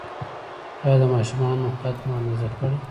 ایا د ماشومانو قد مو اندازه کړی؟